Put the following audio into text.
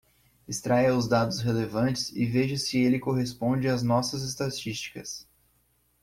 Extraia os dados relevantes e veja se ele corresponde às nossas estatísticas.